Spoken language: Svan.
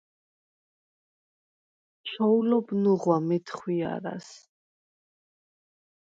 ჩოულობ ნუღვა მეთხვიარას: